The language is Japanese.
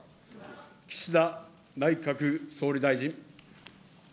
岸田内閣総理大臣。